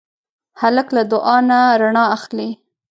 هلک له دعا نه رڼا اخلي.